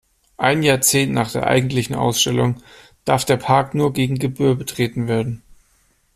Ein Jahrzehnt nach der eigentlichen Ausstellung darf der Park nur gegen Gebühr betreten werden.